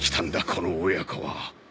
この親子は。